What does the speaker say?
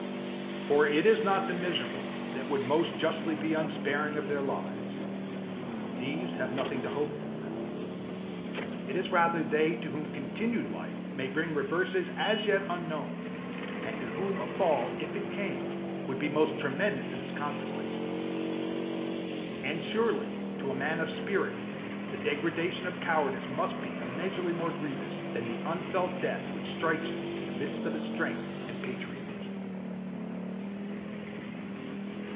For it is not the miserable that would most justly be unsparing of their lives; these have nothing to hope for: it is rather they to whom continued life may bring reverses as yet unknown, and to whom a fall, if it came, would be most tremendous in its consequences. And surely, to a man of spirit, the degradation of cowardice must be immeasurably more grievous than the unfelt death which strikes him in the midst of his strength and patriotism!